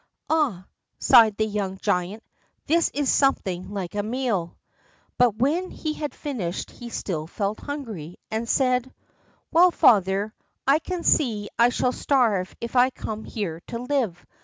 "Ah," sighed the young giant, "this is something like a meal!" But when he had finished he still felt hungry, and said: "Well, father, I can see I shall starve if I come here to live.